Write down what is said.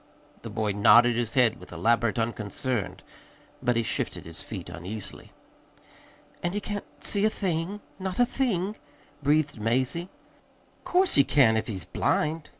The boy nodded his head with elaborate unconcern, but he shifted his feet uneasily. "And he can't see a thing not a thing?" breathed Mazie. "'Course he can't, if he's blind!"